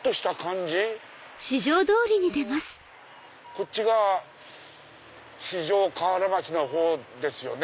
えこっちが四条河原町のほうですよね。